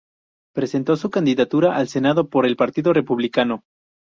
Presentó su candidatura al Senado por el Partido Republicano.